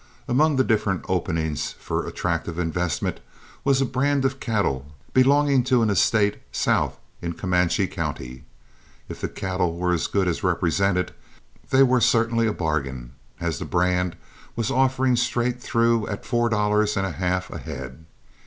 Among the different openings for attractive investment was a brand of cattle belonging to an estate south in Comanche County. If the cattle were as good as represented they were certainly a bargain, as the brand was offered straight through at four dollars and a half a head.